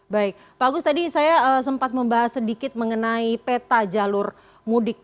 baik pak agus tadi saya sempat membahas sedikit mengenai peta jalur mudik